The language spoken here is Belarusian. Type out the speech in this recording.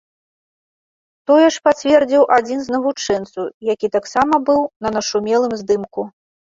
Тое ж пацвердзіў адзін з навучэнцаў, які таксама быў на нашумелым здымку.